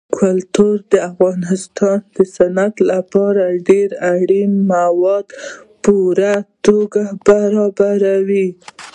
کلتور د افغانستان د صنعت لپاره ډېر اړین مواد په پوره توګه برابروي.